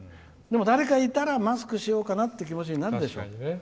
誰かがいたらマスクをしようかなって気持ちになるでしょう。